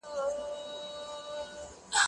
زه به سبا ښوونځی ځم.